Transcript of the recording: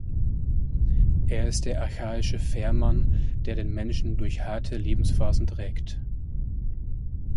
Er ist der archaische Fährmann, der den Menschen durch harte Lebensphasen trägt.